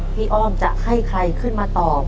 อ้อมจะให้ใครขึ้นมาตอบ